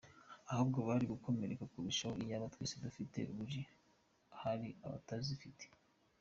Ahubwo bari gukomereka kurushaho iyaba twese dufite buji hari abatazifite.”